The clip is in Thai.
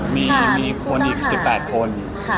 มีคนอีก๑๘คน